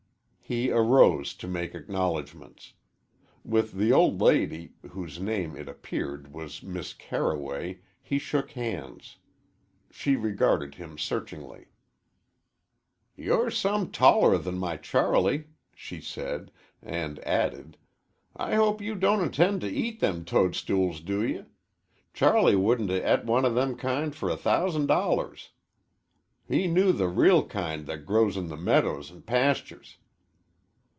He arose to make acknowledgments. With the old lady, whose name, it appeared, was Miss Carroway, he shook hands. She regarded him searchingly. "You're some taller than my Charlie," she said, and added, "I hope you don't intend to eat them tudstools, do you? Charlie wouldn't a et one o' them kind fer a thousand dollars. He knew the reel kind that grows in the medders an' pasters."